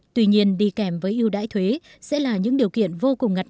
tuy nhiên đi kèm với ưu đãi thuế sẽ là những điều kiện vô cùng ngặt